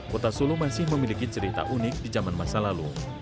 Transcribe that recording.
kota solo masih memiliki cerita unik di zaman masa lalu